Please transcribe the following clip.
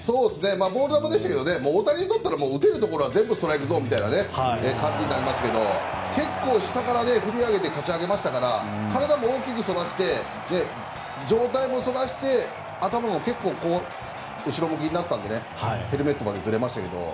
ボール球でしたが大谷だったら打てるところは全部ストライクゾーンみたいな感じになりますが結構下から振り上げましたから体も大きく反らして上体も反らして頭が結構、後ろ向きになったのでヘルメットまでずれましたけど。